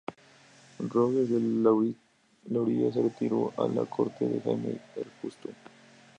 Roger de Lauria se retiró a la corte de Jaime el Justo.